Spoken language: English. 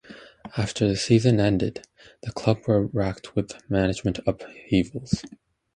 After the season ended, the club were wracked with management upheavals.